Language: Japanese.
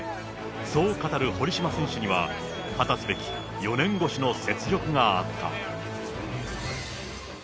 そう語る堀島選手には、果たすべき４年越しの雪辱があった。